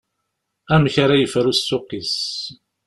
Amek ara yefru ssuq-is.